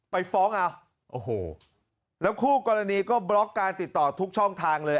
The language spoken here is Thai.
ไปฟ้องเอาโอ้โหแล้วคู่กรณีก็บล็อกการติดต่อทุกช่องทางเลย